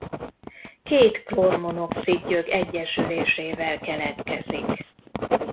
Két klór-monoxid gyök egyesülésével keletkezik.